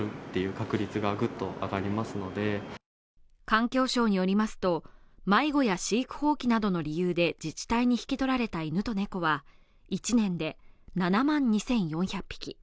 環境省によりますと、迷子や飼育放棄などの理由で自治体に引き取られた犬と猫は１年で７万２４００匹。